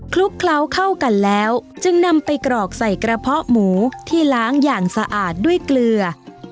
ลุกเคล้าเข้ากันแล้วจึงนำไปกรอกใส่กระเพาะหมูที่ล้างอย่างสะอาดด้วยเกลือ